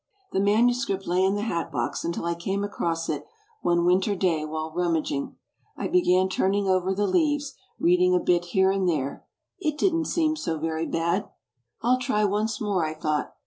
The manuscript lay in the hatbox until I came across it one winter day while rummaging. I began turning over the leaves, reading a bit here and there. It didn't seem so very bad. "I'll try once more," I thought.